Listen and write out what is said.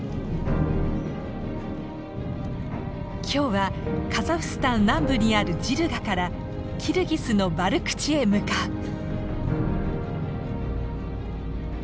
今日はカザフスタン南部にあるジルガからキルギスのバルクチへ向かう。